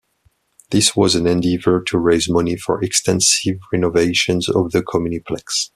This was an endeavour to raise money for extensive renovations to the Communiplex.